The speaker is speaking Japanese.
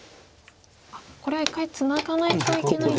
これは一回ツナがないといけないんですか。